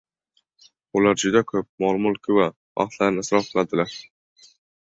Ular juda koʻp mol-mulki va vaqtlarini isrof qiladilar